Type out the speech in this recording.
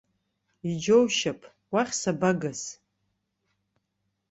Иџьоушьап, уахь сабагаз.